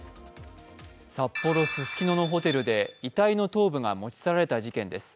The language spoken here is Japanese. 札幌・ススキノのホテルで遺体の頭部が持ち去られた事件です。